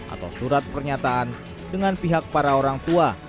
atau surat pernyataan dengan pihak para orang tua